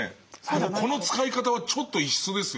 でもこの使い方はちょっと異質ですよね。